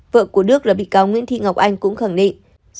vợ của đức là bị cáo nguyễn thị ngọc anh cũng khẳng định